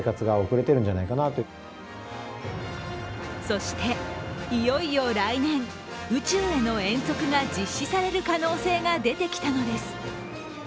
そしていよいよ来年宇宙への遠足が実施される可能性が出てきたのです。